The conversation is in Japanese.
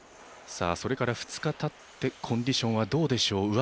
それから２日たってコンディションはどうでしょう。